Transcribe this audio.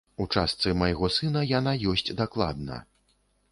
У частцы майго сына яна ёсць дакладна.